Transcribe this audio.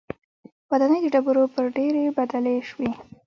ودانۍ د ډبرو پر ډېرۍ بدلې شوې.